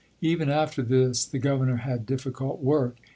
Even after this the Governor had difficult work.